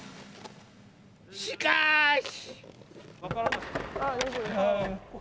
しかし！